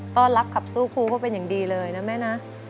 ต้อนรับขับสู้ครูก็เป็นอย่างดีเลยนะแม่นะ